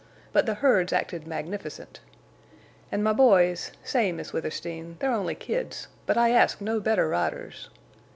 But the herd's acted magnificent. An' my boys, say, Miss Withersteen, they're only kids, but I ask no better riders.